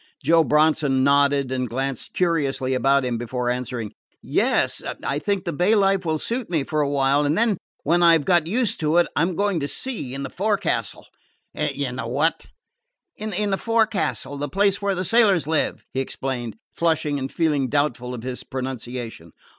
Joe Bronson nodded and glanced curiously about him before answering: "Yes; I think the bay life will suit me for a while, and then, when I 've got used to it, I 'm going to sea in the forecastle." "In the what?" "In the forecastle the place where the sailors live," he explained, flushing and feeling doubtful of his pronunciation.